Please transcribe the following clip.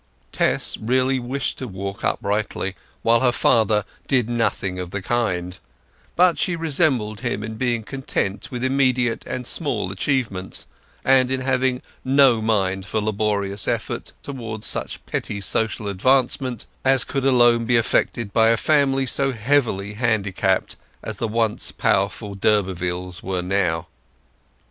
Tess really wished to walk uprightly, while her father did nothing of the kind; but she resembled him in being content with immediate and small achievements, and in having no mind for laborious effort towards such petty social advancement as could alone be effected by a family so heavily handicapped as the once powerful d'Urbervilles were now.